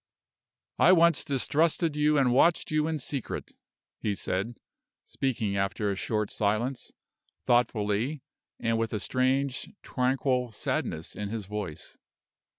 "I once distrusted you and watched you in secret," he said, speaking after a short silence, thoughtfully, and with a strange, tranquil sadness in his voice.